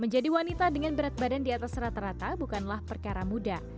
menjadi wanita dengan berat badan di atas rata rata bukanlah perkara mudah